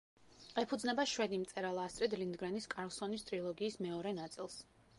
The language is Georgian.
ეფუძნება შვედი მწერალ ასტრიდ ლინდგრენის კარლსონის ტრილოგიის მეორე ნაწილს.